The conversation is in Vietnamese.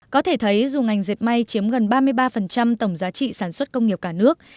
có thể thấy dù ngành dẹp may chiếm gần ba mươi ba tổng giá trị sản xuất công nghiệp cả nước